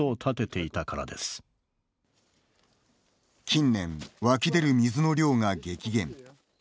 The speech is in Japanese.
近年、湧き出る水の量が激減。